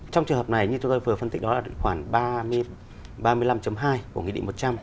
trong trường hợp này như chúng tôi vừa phân tích đó là khoảng ba mươi năm hai của nghị định một trăm linh